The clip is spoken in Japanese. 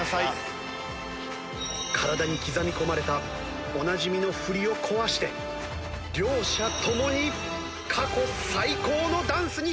体に刻み込まれたおなじみの振りを壊して両者共に過去最高のダンスに仕上げました。